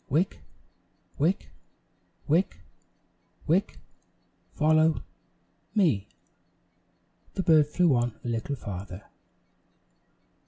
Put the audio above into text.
"Wick wick wick wick follow me." The bird flew on a little farther.